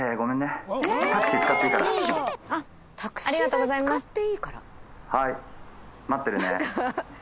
「うん」「はい待ってるね」